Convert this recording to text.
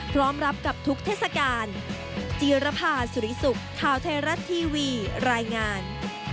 พร้อมรับกับทุกเทศกาล